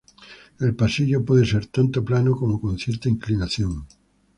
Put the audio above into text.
El pasillo puede ser tanto plano como con cierta inclinación.